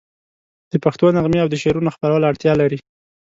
د پښتو نغمې او د شعرونو خپرول اړتیا لري.